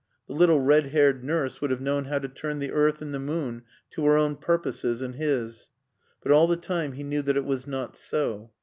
The little red haired nurse would have known how to turn the earth and the moon to her own purposes and his. But all the time he knew that it was not so.